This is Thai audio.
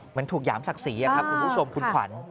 เหมือนถูกหยามศักดิ์ศรีครับคุณผู้ชมคุณขวัญ